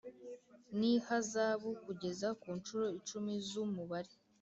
N ihazabu kugeza ku nshuro icumi z umubare